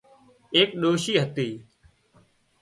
ايڪ ڏوشي هتي